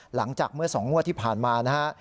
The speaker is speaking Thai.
หลังจากเมื่อสองมั่วที่ผ่านมานะครับ